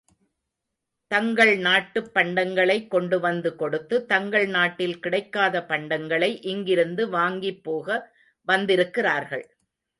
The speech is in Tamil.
தங்கள் நாட்டுப் பண்டங்களை கொண்டு வந்து கொடுத்து, தங்கள் நாட்டில் கிடைக்காத பண்டங்களை இங்கிருந்து வாங்கிப் போக வந்திருக்கிறார்கள்.